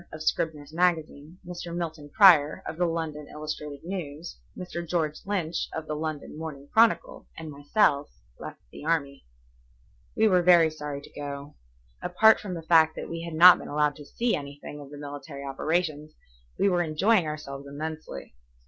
of Scribner's Magazine, Mr. Milton Prior, of the London Illustrated News, Mr. George Lynch, of the London Morning Chronicle, and myself left the army. We were very sorry to go. Apart from the fact that we had not been allowed to see anything of the military operations, we were enjoying ourselves immensely.